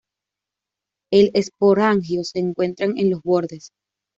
El esporangios se encuentran en los bordes.